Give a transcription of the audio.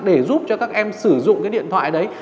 để giúp cho các em sử dụng cái điện thoại đấy